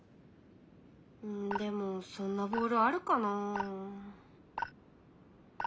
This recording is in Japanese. うんでもそんなボールあるかなあ？